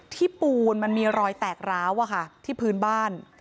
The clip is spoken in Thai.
ที่ปูนมันมีรอยแตกร้าวอ่ะค่ะที่พื้นบ้าน